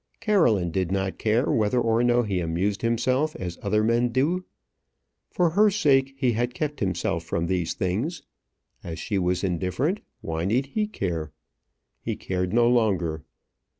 Caroline did not care whether or no he amused himself as other men do. For her sake he had kept himself from these things. As she was indifferent, why need he care? He cared no longer.